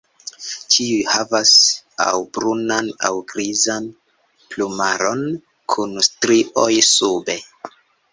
Ĉiuj havas aŭ brunan aŭ grizan plumaron kun strioj sube.